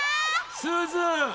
すず！